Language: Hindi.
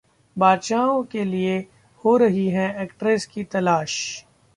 'बादशाहो' के लिए हो रही है एक्ट्रेस की तलाश